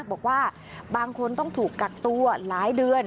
บอกว่าบางคนต้องถูกกักตัวหลายเดือน